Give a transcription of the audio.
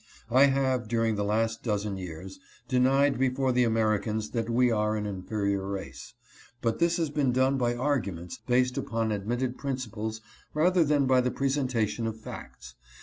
I have, during the last dozen years, denied before the Americans that we are an inferior race; but this has been done by arguments based upon admitted principles rather than by the presentation of facts.